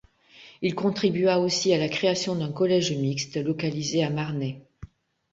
Il contribua aussi à la création d'un collège mixte, localisé à Marnay.